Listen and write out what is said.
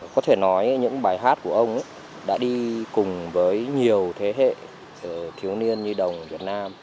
có thể nói những bài hát của ông đã đi cùng với nhiều thế hệ thiếu niên nhi đồng việt nam